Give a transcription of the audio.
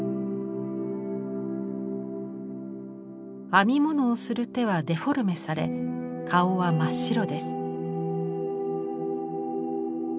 編み物をする手はデフォルメされ顔は真っ白です。